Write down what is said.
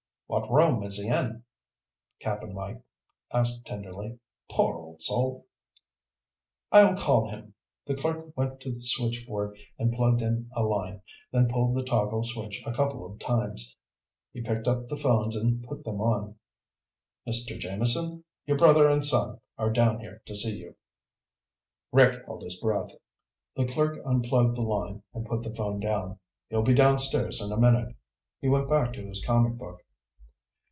"What room is he in?" Cap'n Mike asked tenderly. "Poor old soul." "I'll call him." The clerk went to the switchboard and plugged in a line, then pulled the toggle switch a couple of times. He picked up the phones and put them on. "Mr. Jameson? Your brother and son are down here to see you." Rick held his breath. The clerk unplugged the line and put the phone down. "He'll be downstairs in a minute." He went back to his comic book.